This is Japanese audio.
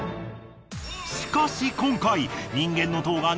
しかし今回。